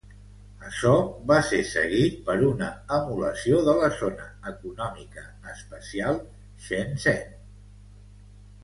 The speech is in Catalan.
Açò va ser seguit per una emulació de la Zona Econòmica Especial Shenzhen.